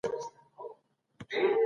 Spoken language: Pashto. چې پوهه تر پیسو غوره ده.